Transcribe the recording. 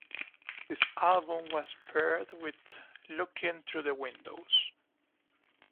This album was paired up with "Lookin' Through the Windows".